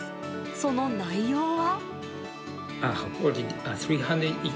その内容は。